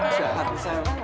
mau masuk jurusan apa